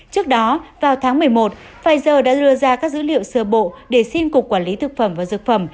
trước đó vào tháng một mươi một pfizer đã đưa ra các dữ liệu sơ bộ để xin cục quản lý thực phẩm và dược phẩm